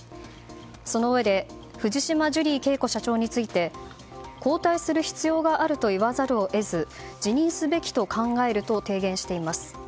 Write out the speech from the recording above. そのうえで藤島ジュリー景子社長について交代する必要があると言わざるを得ず辞任すべきと考えると提言しています。